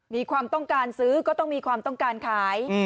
มีความต้องการซื้อก็ต้องมีความต้องการขาย